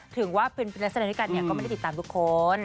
ถึงว่าเป็นนักแสดงด้วยกันเนี่ยก็ไม่ได้ติดตามทุกคน